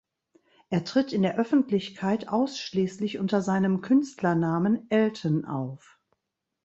Er tritt in der Öffentlichkeit ausschließlich unter seinem Künstlernamen "Elton" auf.